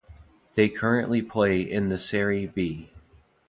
They currently play in the Serie B.